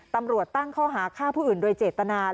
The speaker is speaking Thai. ตำรวจตั้งข้อหาฆ่าผู้อื่นโดยเจตนา